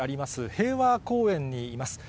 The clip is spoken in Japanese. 平和公園にいます。